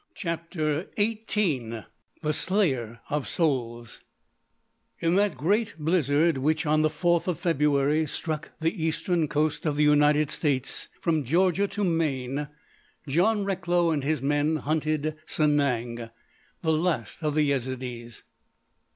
CHAPTER XVII THE SLAYER OF SOULS In that great blizzard which, on the 4th of February, struck the eastern coast of the United States from Georgia to Maine, John Recklow and his men hunted Sanang, the last of the Yezidees.